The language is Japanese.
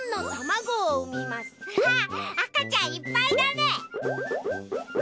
わああかちゃんいっぱいだね。